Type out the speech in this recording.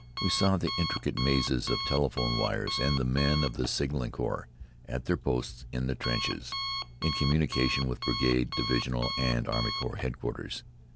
We saw the intricate mazes of telephone wires, and the men of the signaling corps at their posts in the trenches, in communication with brigade, divisional, and army corps headquarters.